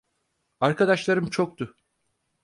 Arkadaşlarım çoktu.